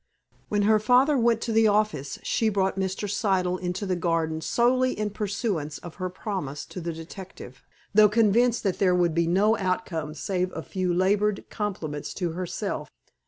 When her father went to the office she brought Mr. Siddle into the garden solely in pursuance of her promise to the detective, though convinced that there would be no outcome save a few labored compliments to herself.